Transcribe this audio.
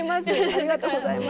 ありがとうございます。